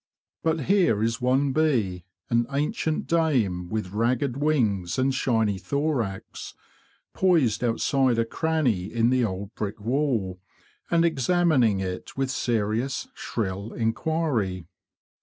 But here is one bee, an ancient dame, with ragged wings and shiny thorax, poised outside a cranny in the old brick wall, and examining it with serious, shrill inquiry.